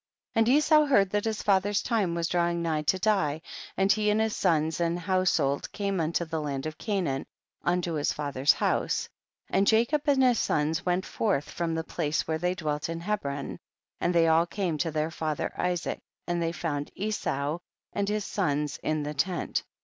2. And Esau heard that his father's time Avas drawing nigh to die, and he and his sons and household came unto the land of Canaan, unto his father's house, and Jacob and his sons went forth from the place vi^here they dwelt in Hebron, and they all came to their father Isaac, and they found Esau and his sons in the tent.